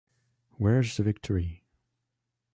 Where’s the Victory.